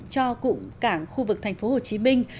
cho cụm cảng khu vực thành phố hồ chí minh